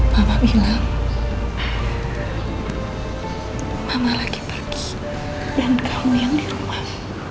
bapak bilang mama lagi bagus dan kamu yang di rumah